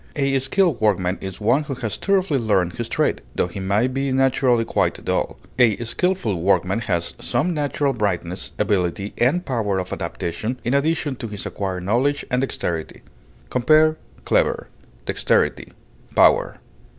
A skilled workman is one who has thoroughly learned his trade, though he may be naturally quite dull; a skilful workman has some natural brightness, ability, and power of adaptation, in addition to his acquired knowledge and dexterity. Compare CLEVER; DEXTERITY; POWER.